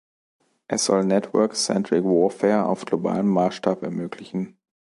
Es soll Network Centric Warfare auf globalem Maßstab ermöglichen.